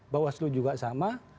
bawah selu juga sama